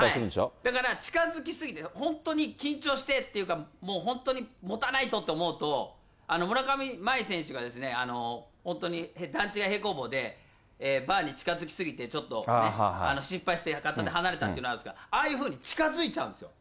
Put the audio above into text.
だから近づき過ぎて、本当に緊張してっていうか、もう本当に持たないと！って思うと、あの村上茉愛選手が、本当に段違い平行棒でバーに近づき過ぎて、ちょっと、失敗して片手離れたっていうのがあるじゃないですか、ああいうふうに近づいちゃうんですよ。